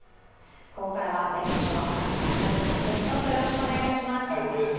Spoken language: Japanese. ここからは弁護士の若狭勝さんです。